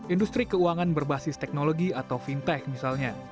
industri keuangan berbasis teknologi atau fintech misalnya